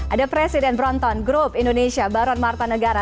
ada presiden bronton grup indonesia baron marta negara